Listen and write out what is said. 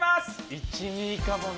１、２かもな。